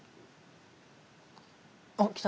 あっきた。